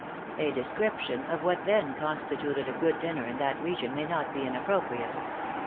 A description of what then constituted a good dinner in that region may not be inappropriate.